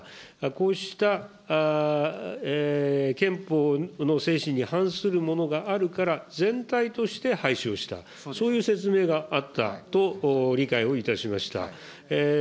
こうした憲法の精神に反するものがあるから、全体として廃止をした、そういう説明があったと理解をいたしました。